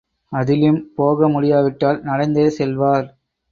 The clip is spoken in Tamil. அதிலும் போகமுடியாவிட்டால் நடந்தே செல்வார்.